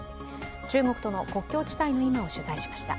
中国との国境地帯の今を取材しました。